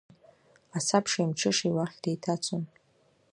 Асабшеи амҽышеи уахь деиҭацон.